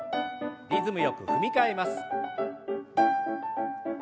リズムよく踏み替えます。